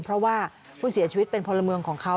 เพราะว่าผู้เสียชีวิตเป็นพลเมืองของเขา